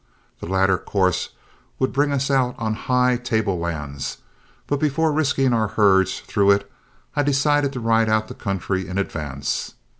The latter course would bring us out on high tablelands, but before risking our herds through it, I decided to ride out the country in advance.